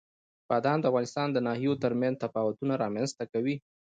بادام د افغانستان د ناحیو ترمنځ تفاوتونه رامنځته کوي.